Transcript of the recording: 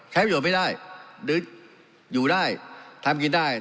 ใช้ผิดหย่อไม่ได้หรืออยู่ได้ทำกินได้